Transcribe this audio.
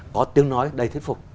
có tiếng nói đây thuyết phục